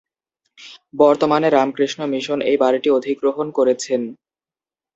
বর্তমানে রামকৃষ্ণ মিশন এই বাড়িটি অধিগ্রহণ করেছেন।